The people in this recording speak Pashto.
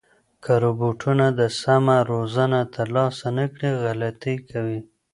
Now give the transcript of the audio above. که روبوټونه د سمه روزنه ترلاسه نه کړي، غلطۍ کوي.